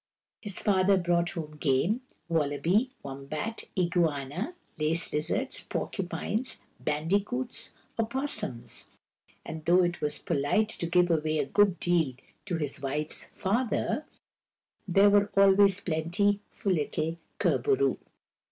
His father brought home game — wallaby, wombat, iguana, lace lizards, porcupines, bandicoots, opossums ; and though it was polite to give away a good deal to his wife's father, there was always plenty for little Kur bo roo.